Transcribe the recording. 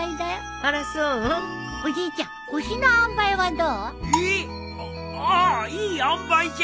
あっああいいあんばいじゃ。